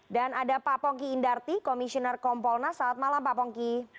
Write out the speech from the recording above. dan ada pak pongki indarti komisioner kompolnas selamat malam pak pongki